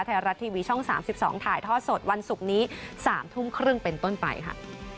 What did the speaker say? ไทยรัฐทีวีช่อง๓๒ถ่ายทอดสดวันศุกร์นี้๓ทุ่มครึ่งเป็นต้นไปค่ะ